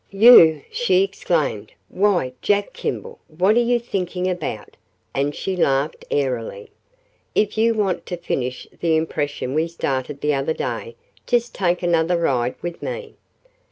"You!" she exclaimed. "Why, Jack Kimball, what are you thinking about?" and she laughed airily. "If you want to finish the impression we started the other day, just take another ride with me.